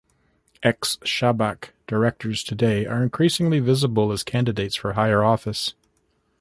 Ex-Shabak directors today are increasingly visible as candidates for higher office.